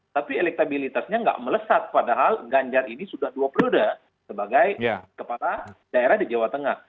tapi elektabilitasnya nggak melesat padahal ganjar ini sudah dua periode sebagai kepala daerah di jawa tengah